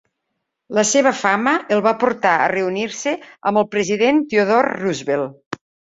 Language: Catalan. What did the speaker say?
La seva fama el va portar a reunir-se amb el president Theodore Roosevelt.